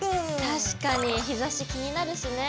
確かに日ざし気になるしね。